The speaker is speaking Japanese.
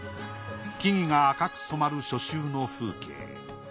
木々が赤く染まる初秋の風景。